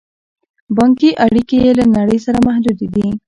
بانکي اړیکې یې له نړۍ سره محدودې دي.